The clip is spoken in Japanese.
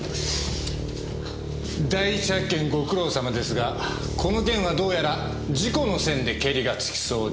第一発見ご苦労さまですがこの件はどうやら事故の線でケリがつきそうですよ。